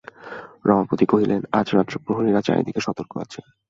রমাপতি কহিলেন, আজ রাত্রে প্রহরীরা চারিদিকে সতর্ক আছে।